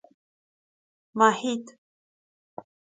محید